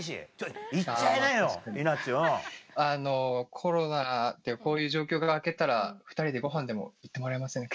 コロナでこういう状況が明けたら２人でごはんでも行ってもらえませんか？